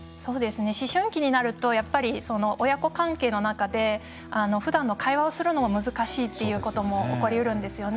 思春期になると親子関係の中でふだんの会話をするのも難しいっていうことも起こりうるんですよね。